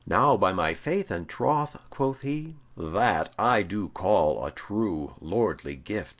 "Now, by my faith and troth," quoth he, "that I do call a true lordly gift.